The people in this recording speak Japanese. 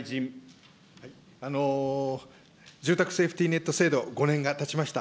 住宅セーフティーネット制度、５年がたちました。